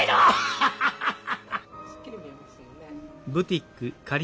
ハハハハ！